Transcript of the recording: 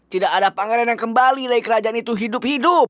tidak ada pangeran yang kembali dari kerajaan itu hidup hidup